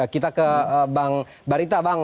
kita ke bang barita